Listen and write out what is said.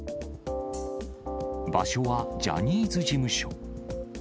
場所はジャニーズ事務所。